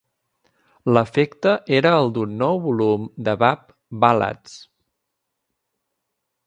L'efecte era el d'un nou volum de Bab Ballads.